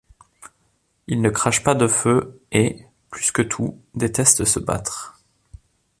Il ne crache pas de feu et, plus que tout, déteste se battre.